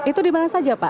itu di mana saja pak